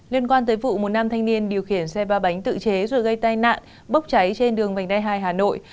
liên quan tới vụ một nam thanh niên điều khiển xe ba bánh tự chế rồi gây tai nạn bốc cháy trên đường vành đai hai hà nội